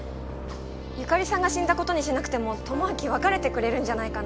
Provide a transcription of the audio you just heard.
由香里さんが死んだことにしなくても智明別れてくれるんじゃないかな？